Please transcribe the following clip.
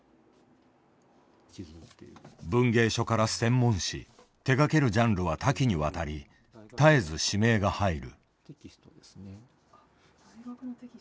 文芸書から専門誌手がけるジャンルは多岐にわたり絶えず指名が入る。